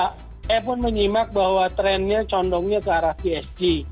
saya pun menyimak bahwa trendnya condongnya ke arah psg